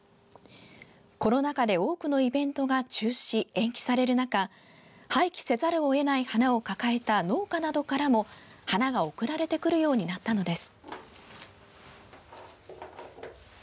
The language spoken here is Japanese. コロナ禍で、多くのイベントが中止・延期される中廃棄せざるを得ない花を抱えた農家などからも花が送られてくるようになったのです。